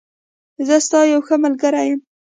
زه ستا یوښه ملګری یم.